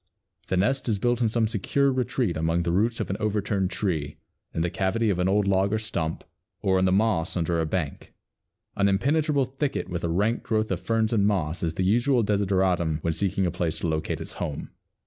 The nest is built in some secure retreat among the roots of an overturned tree, in the cavity of an old log or stump, or in the moss under a bank. An impenetrable thicket with a rank growth of ferns and moss, is the usual desideratum when seeking a place to locate its home.